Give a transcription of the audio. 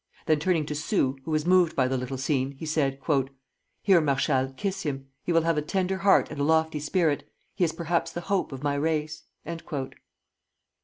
Then, turning to Soult, who was moved by the little scene, he said, "Here, Marshal, kiss him; he will have a tender heart and a lofty spirit; he is perhaps the hope of my race."